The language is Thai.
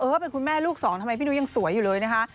ว่าเป็นคุณแม่ลูกสองทำไมพี่นุ้ยยังสวยอยู่เลยนะคะ